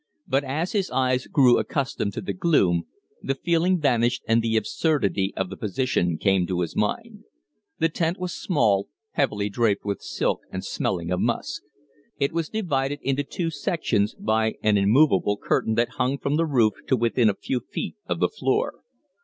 But as his eyes grew accustomed to the gloom, the feeling vanished and the absurdity of the position came to his mind. The tent was small, heavily draped with silk and smelling of musk. It was divided into two sections by an immovable curtain that hung from the roof to within a few feet of the floor.